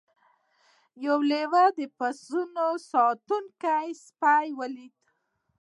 یو لیوه د پسونو ساتونکی سپی ولید.